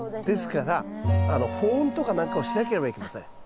ですから保温とか何かをしなければいけません。